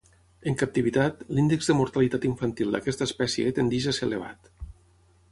En captivitat, l'índex de mortalitat infantil d'aquesta espècie tendeix a ser elevat.